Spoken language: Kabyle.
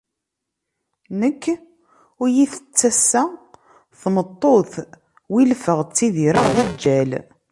Nekk ur iyi-tett assa tmeṭṭut, wilfeɣ ttidireɣ d aǧǧal.